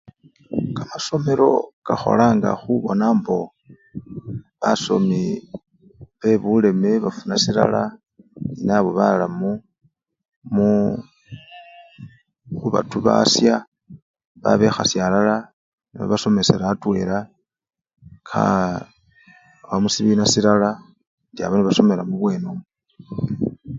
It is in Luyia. Kamasomelo kakholanga khubona mbo basomi bebuleme bafuna silala nenabo balamu muu! mukhubatubasya babekhasya alala nebabasomesela atwela aa! khaba musibina silala indiaba nebasomela mubwene omwo.